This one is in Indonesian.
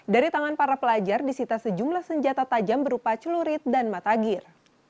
dari tangan para pelajar disita sejumlah senjata tajam berupa celurit dan matagir